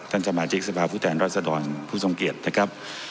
ท่านสมาชิกสภาพุทธแห่งรัฐสดรผู้ทรงเกียจนะครับ